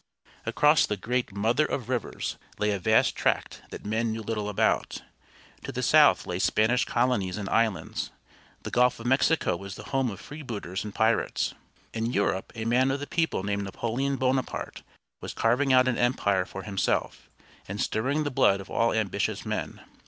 Across the great "Mother of Rivers" lay a vast tract that men knew little about. To the south lay Spanish colonies and islands. The Gulf of Mexico was the home of freebooters and pirates. In Europe a man of the people named Napoleon Bonaparte was carving out an empire for himself, and stirring the blood of all ambitious men.